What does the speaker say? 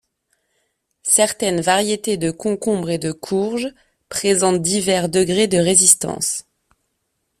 Certaines variétés de concombres et de courges présentent divers degrés de résistance.